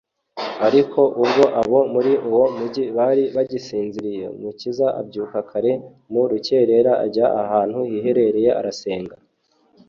ariko ubwo abo muri uwo mugi bari bagisinziriye, umukiza “abyuka kare mu rukerera, ajya ahantu hiherereye arasenga”